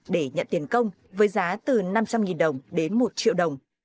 để nhận tiền công với giá từ năm trăm linh đồng đến một triệu đồng